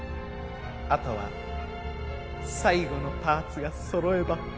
あとは最後のパーツがそろえば。